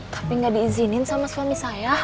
tapi nggak diizinin sama suami saya